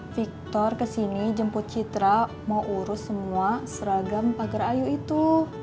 victor kesini jemput citra mau urus semua seragam pagar ayu itu